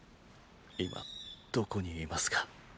今どこにいますか？